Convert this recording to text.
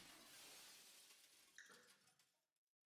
白川乡是指岐阜县内的庄川流域。